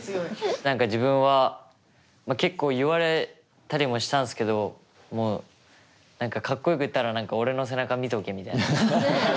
何か自分は結構言われたりもしたんすけどもう何かかっこよく言ったら俺の背中見とけみたいな。